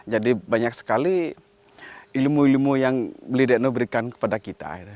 jadi banyak sekali ilmu ilmu yang beli dekno berikan kepada kita